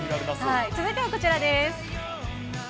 続いてはこちらです。